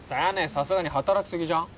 さすがに働き過ぎじゃん？